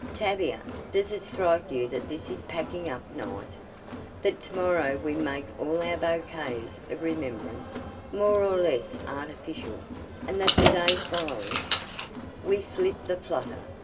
"Tavia, does it strike you that this is packing up night? That to morrow we make all our bouquets of remembrance, more or less artificial, and that the day following " "We flit the flutter!